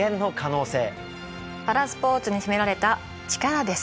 パラスポーツに秘められた力です。